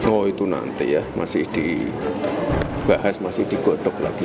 oh itu nanti ya masih dibahas masih digotok lagi